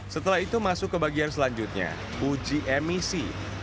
setelah itu masuk ke bagian selanjutnya uji emisi